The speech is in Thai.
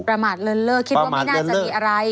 ประมาทเลินเลิกคิดว่าไม่น่าจะมีอะไร